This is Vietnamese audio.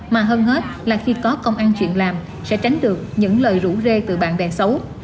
mà hơn hết là khi có công ăn chuyện làm sẽ tránh được những lời rủ rê từ bạn bè xấu